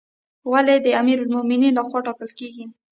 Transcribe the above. والی د امیرالمؤمنین لخوا ټاکل کیږي